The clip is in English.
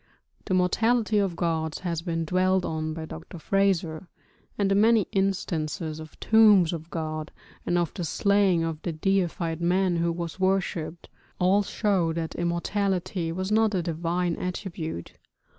The mortality of gods has been dwelt on by Dr. Frazer (Golden Bough), and the many instances of tombs of gods, and of the slaying of the deified man who was worshipped, all show that immortality was not a divine attribute.